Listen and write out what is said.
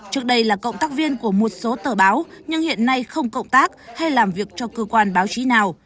trước đây là cộng tác viên của một số tờ báo nhưng hiện nay không cộng tác hay làm việc cho cơ quan báo chí nào